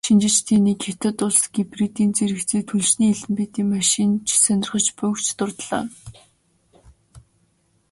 Шинжээчдийн нэг "Хятад улс гибридийн зэрэгцээ түлшний элементийн машин ч сонирхож буй"-г дурдлаа.